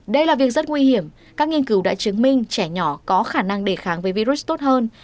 đây là việc rất nguy hiểm các nghiên cứu đã chứng minh trẻ nhỏ có khả năng đề kháng với virus tốt hơn